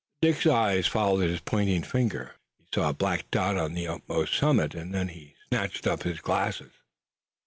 Dick's eyes followed his pointing finger, saw a black dot on the utmost summit, and then he snatched up his glasses.